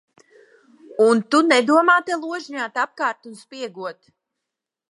Un tu nedomā te ložņāt apkārt un spiegot.